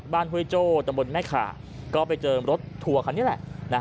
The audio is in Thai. ห้วยโจ้ตำบลแม่ขาก็ไปเจอรถทัวร์คันนี้แหละ